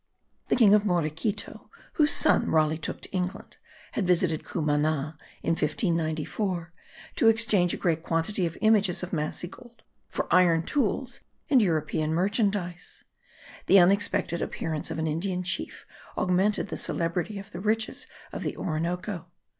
The king of Morequito, whose son Raleigh took to England, had visited Cumana in 1594, to exchange a great quantity of images of massy gold for iron tools, and European merchandise. The unexpected appearance of an Indian chief augmented the celebrity of the riches of the Orinoco.